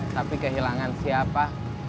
tapi kehilangan siapa